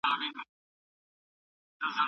هغه ډېر مشهور لیکوال و.